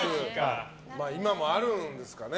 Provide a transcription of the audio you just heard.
今もあるんですかね。